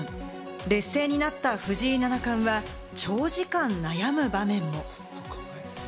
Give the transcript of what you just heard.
劣勢になった藤井七冠は、長時間悩む場面も。